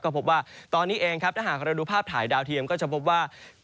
ก็พบว่าตอนนี้เองครับถ้าหากเราดูภาพถ่ายดาวเทียมก็จะพบว่า